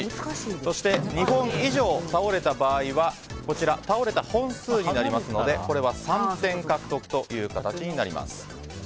そして、スティックを２本以上倒れた場合は倒れた本数になりますのでこれは３点獲得という形になります。